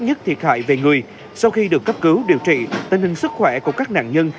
nhất thiệt hại về người sau khi được cấp cứu điều trị tình hình sức khỏe của các nạn nhân